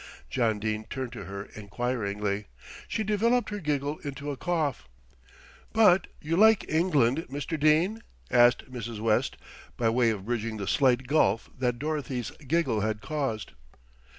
John Dene turned to her enquiringly; she developed her giggle into a cough. "But you like England, Mr. Dene?" asked Mrs. West by way of bridging the slight gulf that Dorothy's giggle had caused.